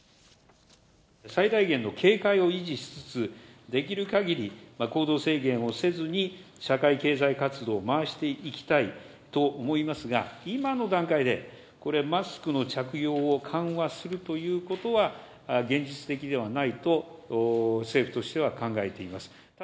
最大限の警戒を維持しつつ、できるかぎり行動制限をせずに、社会経済活動を回していきたいと思いますが、今の段階で、これ、マスクの着用を緩和するということは、現実的ではないと政府としては考えています。